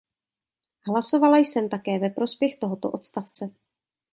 Hlasovala jsem také ve prospěch tohoto odstavce.